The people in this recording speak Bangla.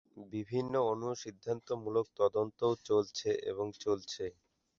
বিভিন্ন অনুসিদ্ধান্তমূলক তদন্তও চলছে এবং চলছে।